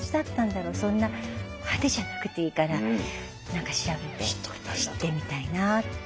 そんな派手じゃなくていいから何か調べて知ってみたいなって。